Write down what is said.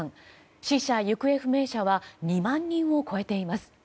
死者・行方不明者は２万人を超えています。